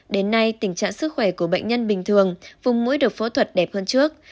đến nay tình trạng sức khỏe của bệnh nhân bình thường vùng mũi được phẫu thuật đẹp hơn trước